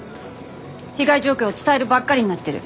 被害状況を伝えるばっかりになってる。